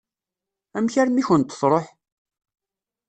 Amek armi i kent-tṛuḥ?